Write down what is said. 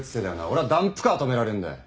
俺はダンプカー止められんだよ。